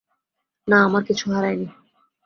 না, আমার কিছু হারায় নি।